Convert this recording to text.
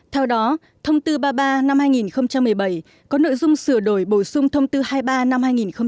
theo đó thông tư ba mươi ba năm hai nghìn một mươi bảy có nội dung sửa đổi bổ sung thông tư hai mươi ba năm hai nghìn một mươi bảy